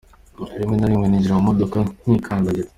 Rimwe na rimwe ninjira mu modoka nikandagira.